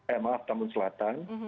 eh maaf tambun selatan